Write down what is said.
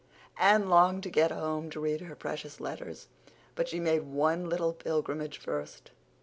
Anne longed to get home to read her precious letters; but she made one little pilgrimage first.